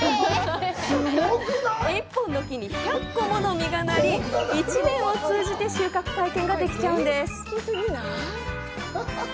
１本の木に１００個もの実がなり一年を通じて収穫体験ができちゃうんです。